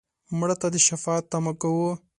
مړه ته د شفاعت تمه کوو